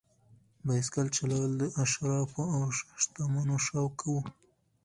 بایسکل چلول د اشرافو او شتمنو شوق و.